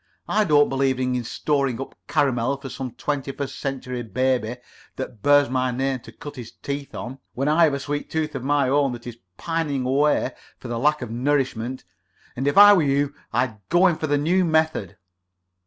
I don't believe in storing up caramels for some twenty first century baby that bears my name to cut his teeth on, when I have a sweet tooth of my own that is pining away for the lack of nourishment; and, if I were you, I'd go in for the new method.